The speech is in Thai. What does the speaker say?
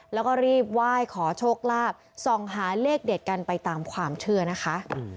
แล้วก็รีบไหว้ขอโชคลาภส่องหาเลขเด็ดกันไปตามความเชื่อนะคะ